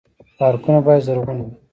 پارکونه باید زرغون وي